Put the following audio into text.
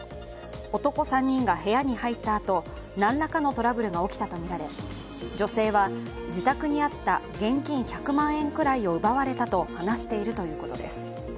男３人が部屋に入ったあと何らかのトラブルが起きたとみられ女性は、自宅にあった現金１００万円くらいを奪われたと話しているということです。